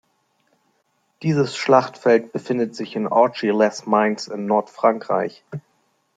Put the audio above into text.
Dieses Schlachtfeld befindet sich in Auchy-les-Mines in Nordfrankreich.